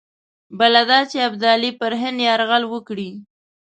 بله دا چې ابدالي پر هند یرغل وکړي.